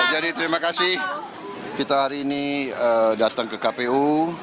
jadi terima kasih kita hari ini datang ke kpu